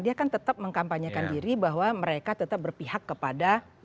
dia kan tetap mengkampanyekan diri bahwa mereka tetap berpihak kepada